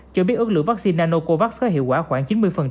cho biết ước lượng vaccine nanocovax sẽ hiệu quả khoảng chín mươi